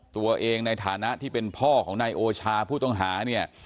ในฐานะที่เป็นพ่อของนายโอชาผู้ต้องหาเนี่ย